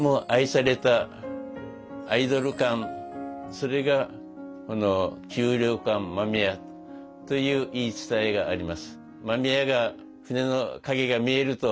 それがこの給糧艦間宮という言い伝えがあります。